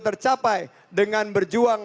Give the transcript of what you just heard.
tercapai dengan berjuang